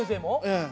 ええ。